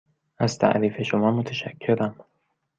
از تعریف شما متشکرم.